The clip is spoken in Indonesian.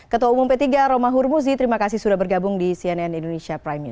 ketua umum p tiga romahur muzi terima kasih sudah bergabung di cnn indonesia prime news